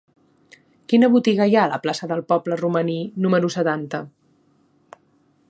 Quina botiga hi ha a la plaça del Poble Romaní número setanta?